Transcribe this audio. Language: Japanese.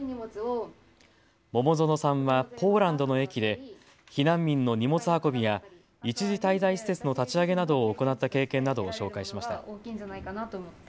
桃園さんはポーランドの駅で避難民の荷物運びや一時滞在施設の立ち上げなどを行った経験などを紹介しました。